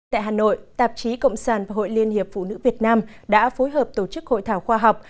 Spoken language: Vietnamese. tại hà nội tạp chí cộng sản và hội liên hiệp phụ nữ việt nam đã phối hợp tổ chức hội thảo khoa học